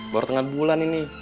baru tengah bulan ini